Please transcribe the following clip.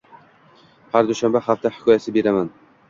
Har dushanba hafta hikoyasi beraman.